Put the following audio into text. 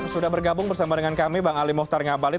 sudah bergabung bersama dengan kami bang ali mohtar ngabalin